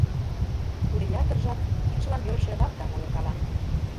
Тудо ятыр жап кидшылан йӧрышӧ лаптам ойыркала.